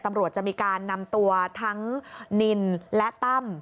ตำรวจจะมีการนำตัวทั้งนินและตั้ม